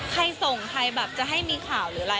ใครส่งใครบะจะให้มีข่าวละ